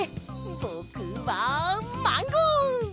ぼくはマンゴー！